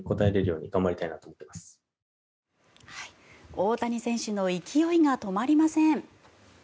大谷選手の勢いが止まりません。